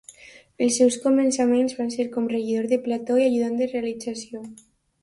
Els seus començaments van ser com regidor de plató i ajudant de realització.